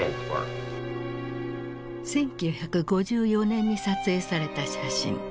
１９５４年に撮影された写真。